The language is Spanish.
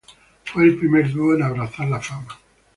Fue el primer dúo en abrazar la fama.